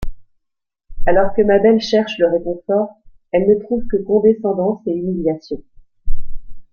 Alors que Mabel cherche le réconfort, elle ne trouve que condescendance et humiliation.